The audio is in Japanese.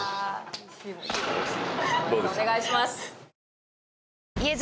お願いします。